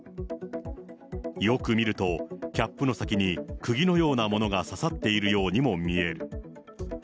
よく見るとキャップの先に、くぎのようなものが刺さっているようにも見える。